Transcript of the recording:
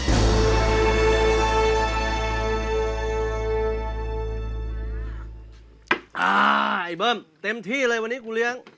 ไอ้เบิ้มเต็มที่เลยวันนี้กูเลี้ยง